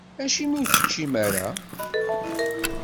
Acimi ur teččim ara?